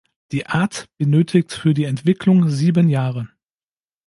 Die Art benötigt für die Entwicklung sieben Jahre.